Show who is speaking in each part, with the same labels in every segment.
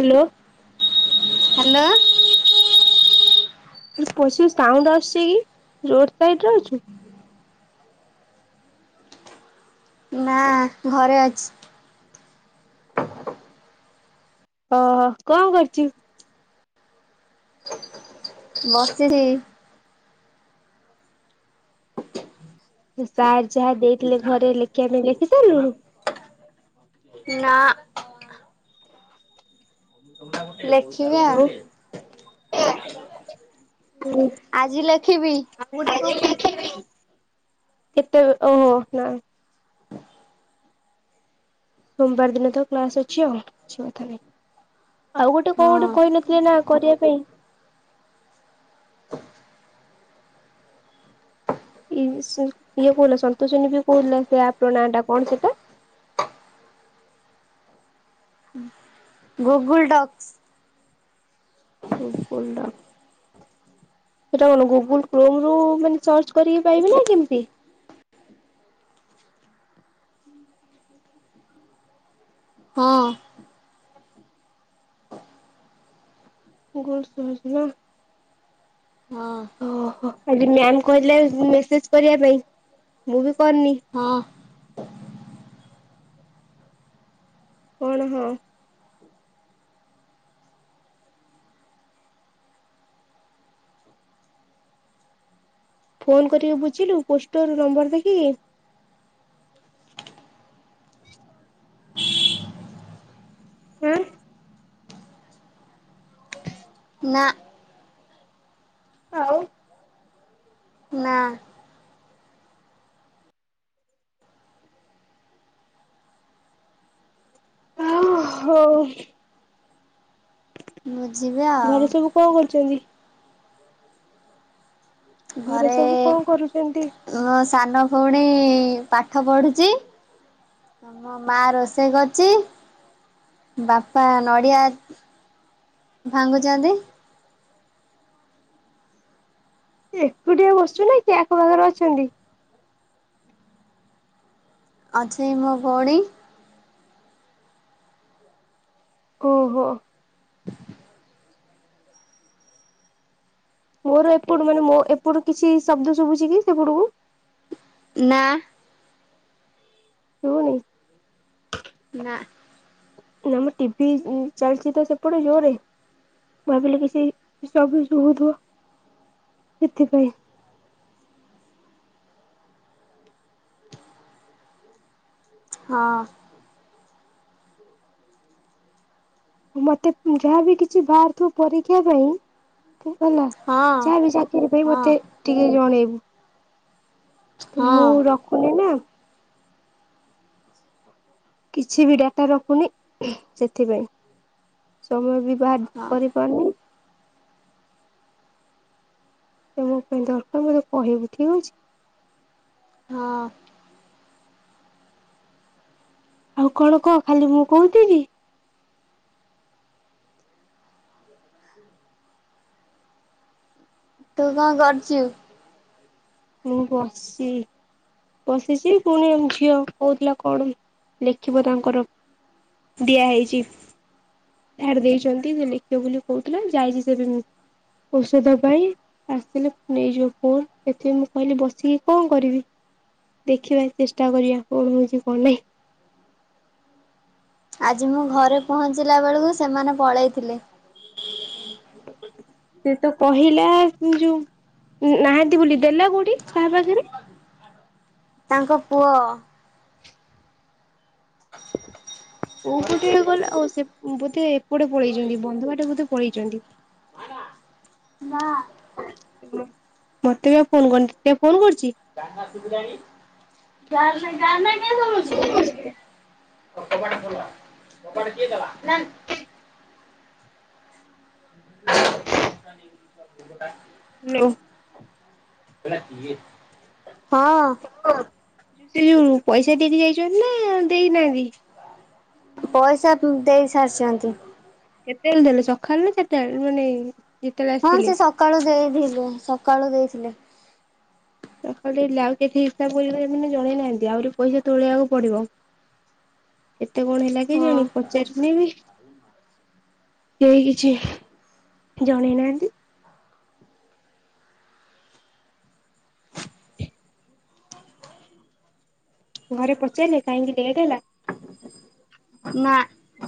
Speaker 1: Hello.
Speaker 2: Hello.
Speaker 1: ଶି sound ଆସୁଚି କି ରୋଡ ସାଇଡରେ ଅଛୁ?
Speaker 2: ନା ଘରେ ଅଛି।
Speaker 1: ଓହୋ କଣ କରୁଚୁ?
Speaker 2: ବସିଚି।
Speaker 1: [unintelligible] ଯାହା ଦେଇଥିଲେ ଘରେ ଲେଖିବା ପାଇଁ ଲେଖି ସାରିଲୁୁ ନା?
Speaker 2: ନା [inaudible] ଲେଖିବି।
Speaker 1: ଆଉ
Speaker 2: ଆଜି ଲେଖିବି।
Speaker 1: କେତେ ଓହୋ ନା। ସୋମବାର ଦିନ ତ କ୍ଲାସ ଅଛି ଆଉ। କିଛି କଥା ନ ଆଉ ଗୋଟେ କଉ
Speaker 2: ହଁ
Speaker 1: ଗୋଟେ କହିନଥିଲେ ନା କରିବା ପାଇଁ? ସି ଇଏ କହୁଥିଲା ସନ୍ତୋଷିନୀ ବି କହୁଥିଲା ସେ ଆପର ନାଁ ଟା କଣ ସେଟା?
Speaker 2: Google docs.
Speaker 1: Google doc. ସେଟା କଣ ଗୁଗୁଲ କ୍ରମରୁ ମାନେ ସର୍ଚ୍ଚ କରିକି ପାଇବେ ନା କେମିତି?
Speaker 2: ହଁ।
Speaker 1: ଗୁଡ। [unintelligible]
Speaker 2: ହଁ
Speaker 1: ମ୍ୟାମ କହିଥିଲେ ମେସେଜ କରିବା ପାଇଁ ମୁଁ ବି ପନି
Speaker 2: ହଁ
Speaker 1: କଣ ହଁ, ଫୋନ କରିକି ବୁଝିଲୁ ପୋଷ୍ଟର ନମ୍ବର ଦେଖିକି। ହଁ,
Speaker 2: ନା,
Speaker 1: ହଉ,
Speaker 2: ନା,
Speaker 1: ଓ ହୋ,
Speaker 2: ହୁଁ,
Speaker 1: ଘରେ ସବୁ କଣ କରୁଚନ୍ତି? ଘରେ ସବୁ କଣ କରୁଚନ୍ତି?
Speaker 2: ମୋ ସାନ ଭଉଣୀ ପାଠ ପଢୁଚି ମୋ ମା ରୋଷେଇ କରୁଚି ବାପା ନଡ଼ିଆ ଭାଙ୍ଗୁଚନ୍ତି
Speaker 1: ଏକୁଟିଆ ବସିଚୁ ନା କିଏ ଆଖ ପାଖରେ ଅଛନ୍ତି।
Speaker 2: ଅଛି ମୋ ଭଉଣୀ,
Speaker 1: ଓହୋ, ମୋର ଏପଟୁ ମାନେ ମୋ ଏପଟୁ କିଛି ଶବ୍ଦ ଶୁଭୁଛି କି ସେପଟକୁ।
Speaker 2: ନା,
Speaker 1: ସୁବୁନି,
Speaker 2: ନା
Speaker 1: ନାମ ଟିଭି ଚାଲିଛି ତ ସେପଟେ ଜୋରେ ଭାବିଲି କିଛି ସ ସବୁଥିବ ସେଥିପାଇଁ,
Speaker 2: ହଁ
Speaker 1: ମତେ ଯାହାବି କିଛି ବାହାରିଥିବ ପରୀକ୍ଷା ପାଇଁ, ତୁ ହେଲା
Speaker 2: ହଁ
Speaker 1: ଯାହା ବି ଚାକିରି ପାଇଁ
Speaker 2: ହଁ
Speaker 1: ମତେ ଟିକେ ଜଣେଇବୁ । ତ ମୁଁ
Speaker 2: ହଁ।
Speaker 1: ରଖୁନା। କିଛି ବି ଡାଟା ରଖୁନି ସେଥିପାଇଁ ସମୟ ବି ବାହାର
Speaker 2: ହଁ
Speaker 1: କରିପାରୁନି । ତ ମୋ ପାଇଁ ଦରକାର ମୋତେ କହିବୁ ଠିକ ଅଛି।
Speaker 2: ହଁ,
Speaker 1: ଆଉ କଣ କହ ଖାଲି ମୁଁ କହୁଥିବି।
Speaker 2: ତୁ କଣ କରୁଚୁ?
Speaker 1: ମୁଁ ବସିଚି ବସିଚି ପୁଣି ଝିଅ କହୁଥିଲା କଣ ଲେଖିବ ତାଙ୍କର ଦିଆ ହେଇଛି। ଛାଡି ଦେଇଛନ୍ତି ସେ ଲେଖିବ ବୋଲି କହୁଥିଲା ଯାଇଛି ସେ ଓଷଧ ପାଇଁ ଆସିଲେ ନେଇଯିବ ଫୋନ ସେଥିପାଇଁ ମୁଁ କହିଲି ବସିକି କଣ କରିବି ଦେଖିବା ଚେଷ୍ଟା କରିବା କଣ ହଉଛି କଣ ନାଇଁ।
Speaker 2: ଆଜି ମୁଁ ଘରେ ପହଞ୍ଚିଲା ବେଳକୁ ସେମାନେ ପଳେଇଥିଲେ ।
Speaker 1: ସେ ତ କହିଲା ଯୋଉ ନାହାନ୍ତି ବୋଲି ଦେଲା କୋଉଠି କାହା ପାଖରେ?
Speaker 2: ତାଙ୍କ ପୁଅ,
Speaker 1: [inaudible] କୋଉ ପଟିଏ ଗଲା ଓ ସେ ବୋଧେ ଏପଟେ ପଳେଇଛନ୍ତି ବନ୍ଧ ବାଟେ ବୋଧେ ପଳେଇଚନ୍ତି ।
Speaker 2: [unintelligible]
Speaker 1: ମତେ ବି ଆଉ ଫୋନ କରିନି ତତେ ଆଉଫୋନ କରି
Speaker 2: [unintelligible] ଚା । [unintelligible] କବାଟ କିଏ ଦେଲା [unintelligible]
Speaker 1: ହାଲୋ ।
Speaker 2: ହଁ।
Speaker 1: ଯଉ ସେ ଯଉ ପଇସା । ସେ ଦେଇକି ଯାଇଛନ୍ତି ନା ଦେଇନାହାନ୍ତି। ତିଇ ।
Speaker 2: ପଇସା ଦେଇ ସାରିଚନ୍ତି।
Speaker 1: କେତେବେଳେ ଦେଲେ ସକାଳେ ନା ଚାରିଟା ବେଳେ ମାନେ ଯେତେବେଳେ
Speaker 2: ହଁ
Speaker 1: ଆସିଥିଲେ?
Speaker 2: ସେ ସକାଳୁ ଦେଇଥିଲେ ସ- କାଳୁ ଦେଇଥିଲେ
Speaker 1: ସକାଳୁ ଦେଇ ଥିଲେ ଆଉ କେତେ ହିସାବ କରିବା ସେ ଜଣେଇ ନାହାନ୍ତି ଆହୁରି ପଇସା ତୋଳେଇବାକୁ ପଡିବ କେତେ କଣ ହେଲା
Speaker 2: ହଁ
Speaker 1: କେଜାଣି ପଚାରିନି ବି? କେହି କିଛି ଜଣେଇ ନାହାନ୍ତି। ଘରେ ପଚାରିଲଲେ କାହିଁକି ଲେଟ୍ ହେଲା।
Speaker 2: ନା ।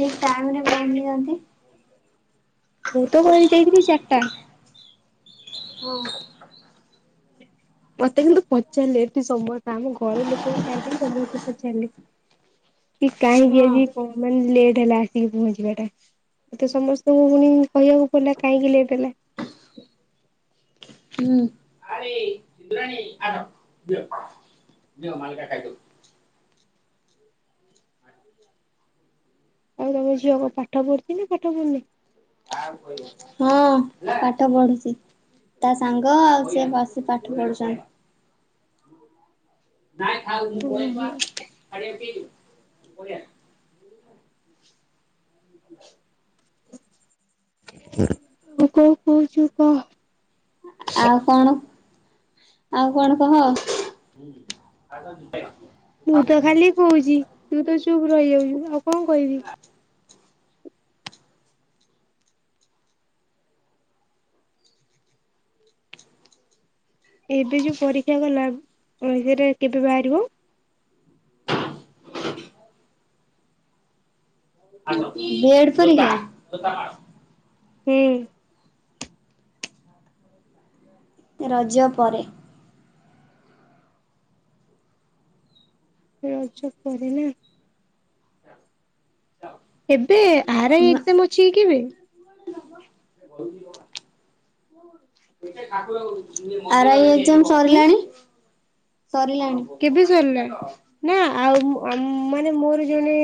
Speaker 2: ଠିକ ଟାଇମ ରେ ପହଞ୍ଚିଛନ୍ତି।
Speaker 1: ମୁଁ ତ କଇକି ଯାଇଥିଲି ଚାରିଟା
Speaker 2: ହଁ।
Speaker 1: ମତେ କିନ୍ତୁ ପଚାରିଲେ ଏଠି ସମସ୍ତେ ଆମ ଘର ଲୋକଙ୍କୁ ଛାଡଦେଇ ସମସ୍ତେ ପଚାରିଲେ କି କାହିଁକି
Speaker 2: ହଁ
Speaker 1: ଆଜି କଣ ମାନେ ଲେଟ ହେଲା ଆସିକି ପହଞ୍ଚିବା ଟା ମତେ ସମସ୍ତଙ୍କୁ ପୁଣି କହିବାକୁ ପଡିଲା କାହିଁକି ଲେଟ ହେଲା।
Speaker 2: ହୁଁ । [unintelligible]
Speaker 1: ଆଉ ତମ ଝିଅ କ ପାଠ ପଢୁଚ ନା ପାଠ ପଢୁନି?
Speaker 2: ହଁ ପାଠ ପଢୁଛି ତା ସାଙ୍ଗ ଆଉ ସିଏ ବସି ପାଠ ପଢୁଛନ୍ତି। ନାଇଁ ଥାଉ ମୁଁ
Speaker 1: ଆଉ
Speaker 2: କଇଲି ବା ଚଢିବାକୁ କିଏ ଜୀବ [unintelligible] [unintelligible]
Speaker 1: ହିଁ କଣ କହୁଛୁ କହ
Speaker 2: ଆଉ କଣ? ଆଉ କଣ କହ
Speaker 1: ମୁଁ ତ ଖାଲି କହୁଛି ତୁ ତ ଚୁପ ରହିାଯାଉଛୁ । କଁ କହିବି। ଏବେ ଯୋଉ ପରୀକ୍ଷା ଗଲା ରେଜେଟ କେବେ ବାହାରିବ
Speaker 2: [unintelligible] [inaudible]
Speaker 1: ହୁଁ।
Speaker 2: ରଜ ପରେ
Speaker 1: ରଜ ପରେ ନାଁ ଏବେ ଆରାଇ ଏକ୍ଜାମ ଅଛି କି କେବେ?
Speaker 2: ଆରାଇ ଏ ଏଯାମ
Speaker 1: ହୁଁ
Speaker 2: ସରିଲାଣି? ସରିଲାଣି।
Speaker 1: କେବେ ସରିଲାନି ନାଁ ଆଉ ଆମ ମାନେ ମୋର ଜଣେ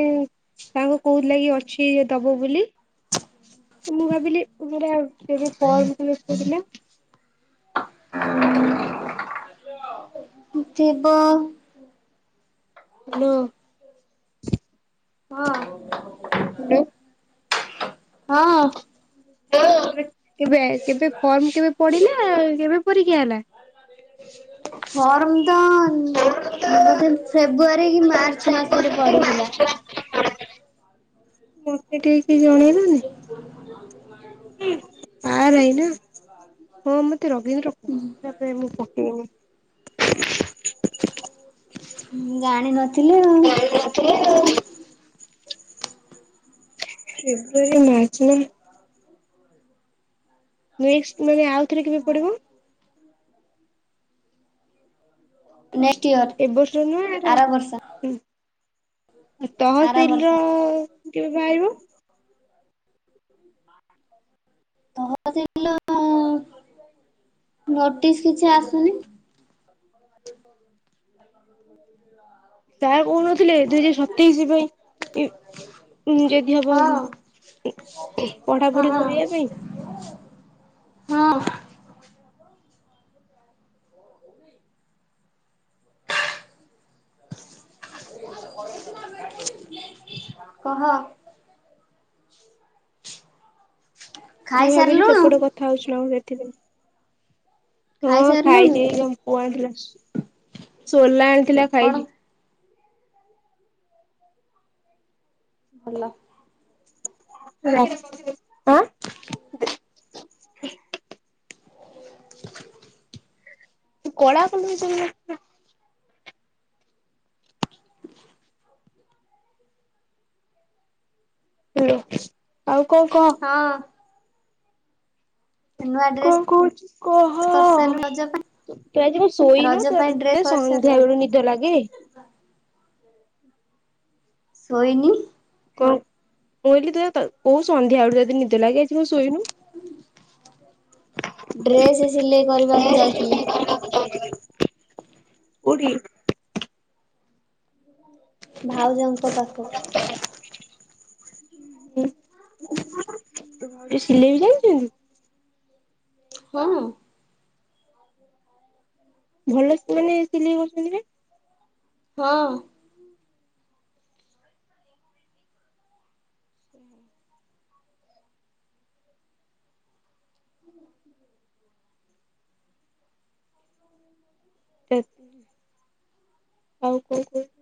Speaker 1: ତାଙ୍କୁ କୋଉ ଲାଗି ଅଛି ଦବ ବୋଲି। ତ ମୁଁ ଭାବିଲି ମୋର ଆଉ ଗୋଟେ କଲ୍ [inaudible]
Speaker 2: [unintelligible] ଥିବ
Speaker 1: ହ୍ୟାଲୋ। [inaudible]
Speaker 2: ହଁ।
Speaker 1: ହ୍ୟାଲୋ
Speaker 2: ହଁ।
Speaker 1: [inaudible] କେବେ କେବେ ଫର୍ମ କେବେ ପଡିଲା କେବେ ପରୀକ୍ଷା ହେଲା?
Speaker 2: ଫର୍ମ ତ ବୋଧେ ଫେବୁଆରୀ କି ମାର୍ଚ୍ଚ ମାସରେ ପଡିଥିଲା।
Speaker 1: ହୁଁ। ସେ ଟିକ ଜଣେଇଲନି।
Speaker 2: [inaudible]
Speaker 1: ଆ [inaudible] ନା ହଁ ମତେ ରବୀନ୍ଦ୍ର କହୁପ ମୁଁ [inaudible] [inaudible]
Speaker 2: ହୁଁ ଜାଣିନଥି ଥିଲିଆଉ
Speaker 1: [inaudible] ଫେବୁଆରୀ ମାର୍ଚ୍ଚ ନାଁ ନେଷ୍ଟ ମାନେ ଆଉ ଏଥିରେ କେବେ ପଡିବ।
Speaker 2: [inaudible] ନେଷ୍ଟଇୟର୍
Speaker 1: ଏ ବର୍ଷ ନୁହଁ
Speaker 2: ଆର ବର୍ଷ।
Speaker 1: ହୁଁ
Speaker 2: ଆର
Speaker 1: ତହସିଲ
Speaker 2: ବର୍ଷ
Speaker 1: ର କେବେ ବାହାରିବ?
Speaker 2: ତହସିଲି ରୁ ତ ନୋଟିସି କିଛି ଆସୁନି?
Speaker 1: [inaudible] କହୁନଥିଲେ ଦୁଇ ହଜାର ସତେଇଶି ପାଇଁ ଯଦି ହବ
Speaker 2: ହଁ
Speaker 1: ପଢାପଢି
Speaker 2: ହଁ
Speaker 1: କରିବା ପାଇଁ।
Speaker 2: ହଁ। [inaudible] କହ।
Speaker 1: ମୁଁ ଭାବିଲି
Speaker 2: ଖାଇସାରିଲୁଣୁ?
Speaker 1: ସେପଟେ କଥା ହଉଛି ନା [unintelligible] ସେଥିପାଇଁ। ହଁ
Speaker 2: ଖାଇସାରିଲୁଣି
Speaker 1: ଖାଇଛି ପୁଅ ଆଣିଥିଲା। ସୋଲା ଆ ଥିଲା
Speaker 2: କଣ
Speaker 1: ଖାଇଚି
Speaker 2: ଭଲ
Speaker 1: [inaudible] ଆଁ [inaudible] ତୁ କଳା କଲୁନି [unintelligible] ହେଲା ଆଉ କଣ କହ
Speaker 2: ହଁ ନୂଆ
Speaker 1: କଣ
Speaker 2: ଡ୍ରେସ
Speaker 1: କହୁଛି କହ
Speaker 2: କରିସାରିଲୁ ରଜ ପାଇଁ
Speaker 1: ତୁ ଆଜି କଣ ଶୋଇନୁ
Speaker 2: ରଜ ପାଇଁ ଡ୍ରେସ
Speaker 1: ତତେ
Speaker 2: କରିସାରିଲୁ
Speaker 1: ସନ୍ଧ୍ୟା ବେଳୁ ନିଦ ଲାଗେ
Speaker 2: ଶୋଇନି
Speaker 1: କଣ ମୁଁ କହିଲି ତ କୋହୁ ସନ୍ଧ୍ୟାଆଳୁ ତତେ ନିଦ ଲାଗେ ଆଜି କଣ ଶୋଇନୁ
Speaker 2: ଡ୍ରେସ୍ ସିଲେଇ କରିବାକୁ ଯାଇଥିଲି।
Speaker 1: କୋଉଠି
Speaker 2: ଭାଉଜଙ୍କ ପାଖ
Speaker 1: ତୁ ସିଲେଇ ବି ଜାଣିଚୁ
Speaker 2: ହଁ
Speaker 1: ଭଲ ସେ ମାନେ ସିଲେଇ କରୁଛନ୍ତି ବା
Speaker 2: ହଁ
Speaker 1: [inaudible] ସେ ଆଉ କୋଉ କୋଉ [inaudible]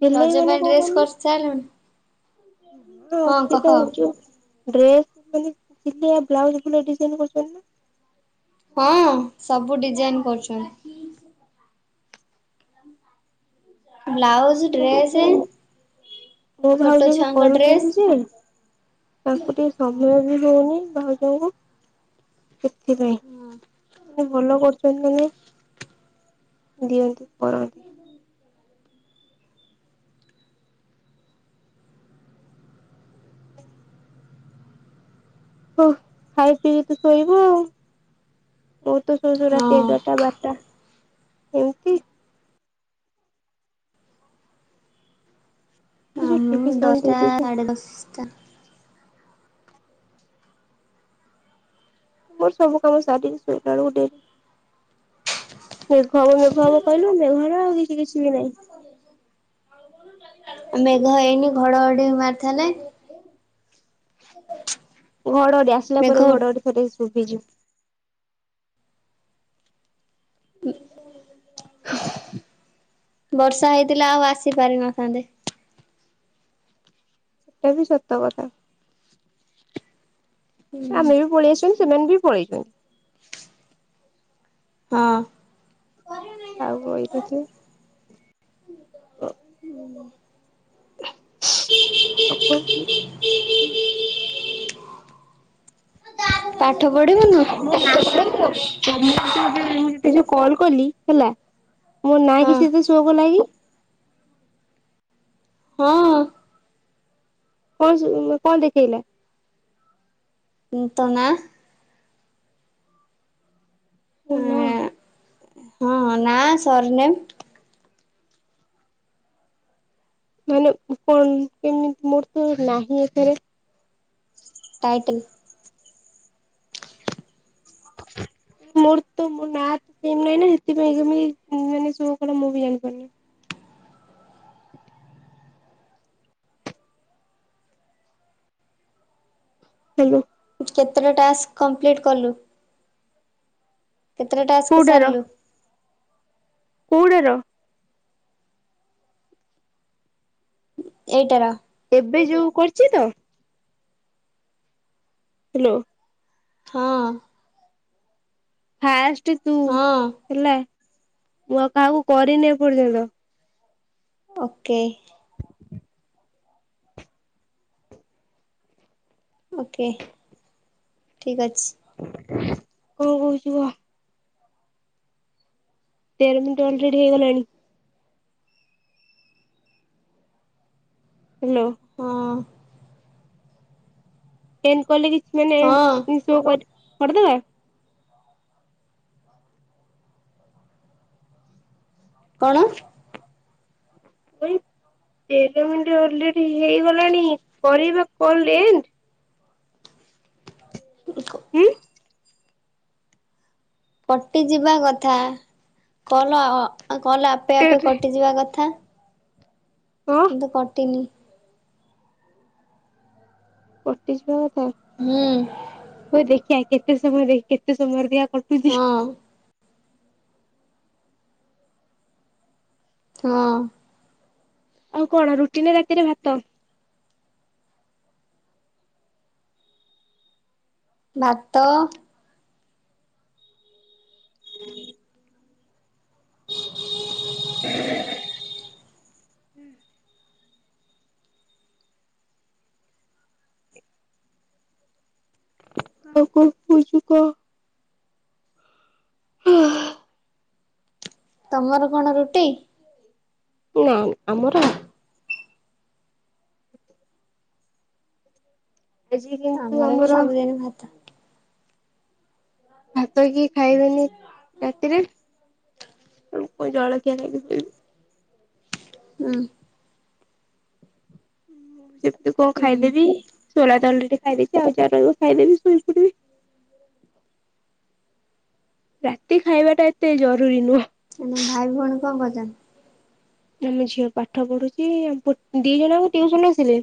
Speaker 1: ସିଲେଇ
Speaker 2: ରଜ
Speaker 1: ମାନେ କଣ
Speaker 2: ପାଇଁ ଡ୍ରେସ୍
Speaker 1: କହନି
Speaker 2: କରି ସାଇଲୁଣି
Speaker 1: ନା ଅଛି ତ [unintelligible] ଡ୍ରେସ ମାନେ [unintelligible] ବ୍ଲାଉଜ ଭଲ ଡିଜାଇନ କରୁଚନ୍ତି ନା
Speaker 2: ହଁ ସବୁ ଡିଜାଇନ କରୁଛନ୍ତି ବ୍ଲାଉଜ ଡ୍ରେସ
Speaker 1: ମୋ
Speaker 2: ଛୋଟ
Speaker 1: ଭାଉଜ ବି
Speaker 2: ଛୁଆଙ୍କ ଡ୍ରେସ
Speaker 1: କରୁଛନ୍ତି ଯେ ତାଙ୍କୁ ଟିକେ ସମୟ ବି ହଉନି ଭାଉଜଙ୍କୁ ସେଥିପାଇଁ [unintelligible] ଭଲ କର [unintelligible] ଦିଅନ୍ତି କରନ୍ତି ହ ଖାଇ ପିଇ ତୁ ଶୋଇବୁ ଆଉ ହ ତୁ ଶୁଶୁ ରାତି ଏଗାରଟା
Speaker 2: ହଁ
Speaker 1: ବାରଟା ଏମତି ।
Speaker 2: ନା
Speaker 1: ତୁ ଯୋଉ
Speaker 2: ମୁଁ
Speaker 1: ଟିଭି ସାଉଣ୍ଡ ଦେଇ
Speaker 2: ଦଶଟା
Speaker 1: ଦେଇଛୁ
Speaker 2: ସାଢେ ଦଶଟା ।
Speaker 1: ମୋର ସବୁ କାମ ସାରିକି ସୋଇିଲା ବେଳକୁ ଡେରି । ମେଘ ହବ ମେଘ ହବ କହିଲୁ ମେଘନା ଆଉ କିଛି । ଠିକ୍ ଅଛି ।
Speaker 2: ମେଘ ହେଇନି । ଘଡଘଡି ମାରିଥିଲେ । [unintelligible]
Speaker 1: ଘଡଘଡ଼ି ଆସିଲା ପରେ
Speaker 2: ମେଘ
Speaker 1: ଘଡଘଡ଼ି ଫଟେଇଛି ଶୁବିଯି ।
Speaker 2: ବର୍ଷା ହେଇଥିଲା ଆଉ ଆସି ପାରିନଥାନ୍ତେ ।
Speaker 1: ସେଇଟା ବି ସତ କଥା । ଆମେ ବି ପଳୀଆସିଲୁ । ସେମାନେ ବି ପଳେଇଚନ୍ତି ।
Speaker 2: ହଁ ।
Speaker 1: ଆଉ ରହିନଥିବେ [inaudible]
Speaker 2: ହୁଁ ।
Speaker 1: ଆ [unintelligible]
Speaker 2: ପାଠ ପଢିବୁନୁ?
Speaker 1: [unintelligible] କଲ କଲି ହେଲା । ମୋ ନାଁ
Speaker 2: ହଁ
Speaker 1: କିଛି ଏବେ ଶୋ କଲାକି?
Speaker 2: ହଁ।
Speaker 1: କଣ ଶୋ କଲା କଣ ଦେଖେଇଲା?
Speaker 2: ଉଁ ତୋ ନା।
Speaker 1: ମୋ ନାଁ।
Speaker 2: ହଁ ନାଁ ସର ନେମ୍ ।
Speaker 1: ମାନେ କଣ କେମିତି ମୋର ତ ନାହିଁ ଏଥିରେ ।
Speaker 2: ଟାଇଟେଲ୍ ।
Speaker 1: ମୋର ତ ମୋ ନା ତ ସେବ ନହିଁ ନା ସେଥିପାଇଁ କା ମୋ ନାଁ କେମତି ଶୋ କଲା ମୁଁ ବି ଜାଣିପାରୁନି । [inaudible] ହ୍ୟାଲୋ ।
Speaker 2: କେତେଟା ଟାସ୍କ୍ କମ୍ପଲିଟ କଲୁ। କେତେ ଟାସ୍କ
Speaker 1: କୋଉଟାର
Speaker 2: ସାରିଲୁ।
Speaker 1: କୋଉଟାର ।
Speaker 2: ଏଇଟର ।
Speaker 1: ଏବେ ଯୋଉ କରଛି ତ? ହ୍ୟାଲୋ ।
Speaker 2: ହଁ ।
Speaker 1: [unintelligible] ତୁ ତୁ
Speaker 2: ହଁ
Speaker 1: ହେଲା। ମୁଁ ଆଉ କାହାକୁ କରିନି ଏପର୍ଯ୍ୟନ୍ତ।
Speaker 2: ଓକେ। ଓକେ। [inaudible] ଠିକ୍ ଅଛି।
Speaker 1: ହୋଉ କୁହ। ଟେନ ମିନଟ ଅଲରେଡି ହେଇଗଲାଣି। ହ୍ୟାଲୋ
Speaker 2: ହୁଁ।
Speaker 1: ଟେନ
Speaker 2: ହଁ
Speaker 1: କହିଲେକି [unintelligible] ପଡ଼ିଦେବେ।
Speaker 2: କଣ?
Speaker 1: ତେର ମିନିଟ ଅଲରେଡି ହେଇଗଲାଣି କରିବା କଲ ଏଣ୍ଡେ। ହୁଁ।
Speaker 2: ପଟିଯିବା କଥା କଲ ଅ ଅ ଆଉ କହିଲ ଆପେ ଆପେ
Speaker 1: ଟେରେ
Speaker 2: କଟିଯିବା କଥା।
Speaker 1: ହଁ
Speaker 2: କିନ୍ତୁ କଟିିନି।
Speaker 1: କଟି ଯିବା କ ହଁ
Speaker 2: ହୁଁ
Speaker 1: ମୁଁ ଦେଖିଆ କେତେ ସମୟରେ କେତେ ସମୟରେ ଦିଆ ଅପଦିନି [inaudible]
Speaker 2: ହଁ ହଁ।
Speaker 1: ଆଉ କଣ ରୁଟି ନା ରାତିରେ ଭାତ?
Speaker 2: ଭାତ
Speaker 1: ହୁଁ। ହ ଆଉ କଣ କହୁଛୁ କହ? [inaudible]
Speaker 2: ତମର କଣ ରୁଟି?
Speaker 1: ନା ନା ଆମର ଭା ଆଜି କିନ୍ତୁ
Speaker 2: ବି
Speaker 1: ଆମର
Speaker 2: ସବୁଦିନ ଭାତ
Speaker 1: ଭାତ କିଏ ଖାଇବେନି ରାତିରେ କୁ ଜଳଖିଆ ଖାଇକି ଶୋଇବୁ।
Speaker 2: ହୁଁ।
Speaker 1: [inaudible] ତୁ କଣ ଖାଇଦେବି।
Speaker 2: ହୁଁ।
Speaker 1: [unintelligible] ରାତି ଖାଇବା ଟା ଏତେ ଜରୁରୀ ନୁହଁ।
Speaker 2: ଆ ତମ ଭାଇ ଭଉଣୀ କଣ କରୁଛନ୍ତି।
Speaker 1: ଆମ ଝିଅ ପାଠ ପଢୁଚି ଆ ଦି ଜଣଙ୍କୁ ଟିଉସନ ଆସିଲେ।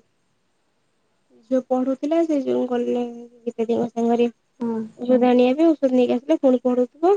Speaker 1: ଝିଅ ପଢୁଥିଲା ସେ ଯଉ ଗଲେ ଗୀତ ଦିନସ [unintelligible]
Speaker 2: ହଁ।
Speaker 1: କୁ ନେଇକି ଆସିଲେ ପୁଣି ପଢଉଥିବ।